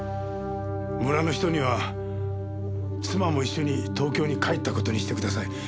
村の人には妻も一緒に東京に帰った事にしてください。